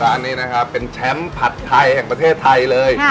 อันนี้เป็นแชมป์ผัดไทยของประเทศไทยเลย